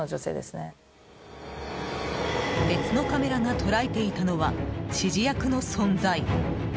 別のカメラが捉えていたのは指示役の存在。